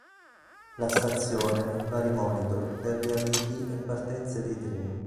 La stazione ha vari monitor per gli arrivi e partenze dei treni.